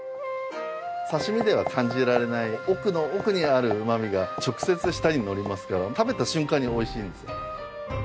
刺し身では感じられない奥の奥にあるうま味が直接舌にのりますから食べた瞬間においしいんですよ。